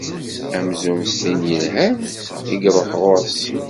Amzun s tinn ilhan i iṛuḥ ɣer-s.